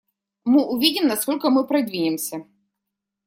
Мы увидим, насколько мы продвинемся.